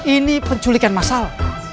ini penculikan masal